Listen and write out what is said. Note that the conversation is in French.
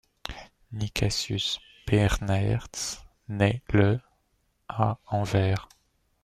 Nicasius Bernaerts naît le à Anvers.